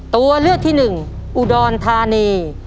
ตัวเลือกที่หนึ่งอุดรธานี